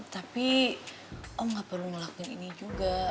tapi om gak perlu ngelakuin ini juga